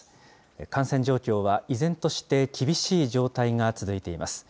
感染状況は依然として厳しい状態が続いています。